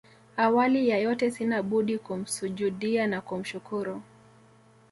Awali ya yote sina budi kumsujudiya na kumshukuru